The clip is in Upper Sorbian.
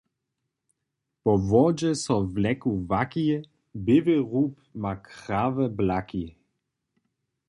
Po wodźe so wleku waki, běły rub ma krawe blaki.